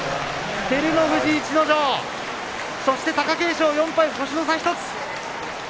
照ノ富士、逸ノ城そして貴景勝は４敗で星の差１つ。